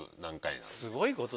すごいことだよ。